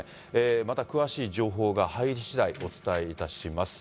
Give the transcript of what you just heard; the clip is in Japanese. また詳しい情報が入りしだい、お伝えいたします。